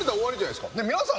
皆さん